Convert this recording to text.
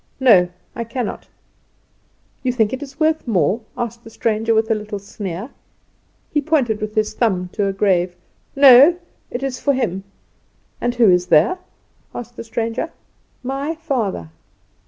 "No; I cannot." "You think it is worth more?" asked the stranger with a little sneer. He pointed with his thumb to a grave. "No; it is for him." "And who is there?" asked the stranger. "My father."